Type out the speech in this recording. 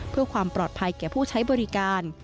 เพื่อความปลอดภัยแก่ผู้ใช้บริการ